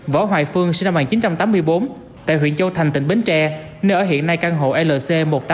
võ hoài phương sinh năm một nghìn chín trăm tám mươi bốn tại huyện châu thành tỉnh bến tre nơi ở hiện nay căn hộ lc một nghìn tám trăm một mươi ba